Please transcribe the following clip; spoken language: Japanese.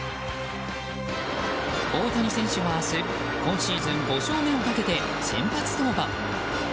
大谷選手は明日今シーズン５勝目をかけ先発登板。